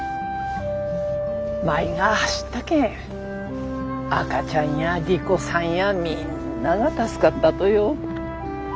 舞が走ったけん赤ちゃんや莉子さんやみんなが助かったとよ。